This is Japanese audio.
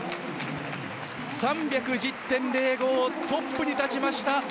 ３１０．０５トップに立ちました。